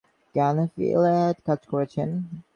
তিনি উড়িষ্যার ভাষা ও সাহিত্যে কাজ করেছেন।